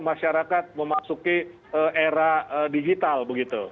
masyarakat memasuki era digital begitu